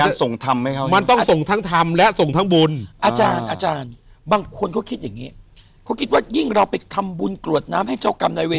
เขาก็คิดว่ายิ่งเราไปทำบุญกรวดน้ำให้เจ้ากรรมนายเวรี่